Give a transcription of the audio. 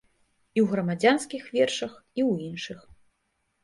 І ў грамадзянскіх вершах, і ў іншых.